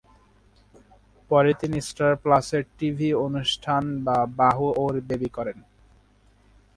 পরে তিনি স্টার প্লাস-এর টিভি অনুষ্ঠান বা বাহু অউর বেবি করেন।